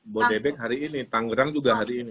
bodebek hari ini tanggerang juga hari ini